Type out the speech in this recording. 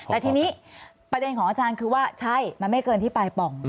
แต่ทีนี้ประเด็นของอาจารย์คือว่าใช่มันไม่เกินที่ปลายป่อง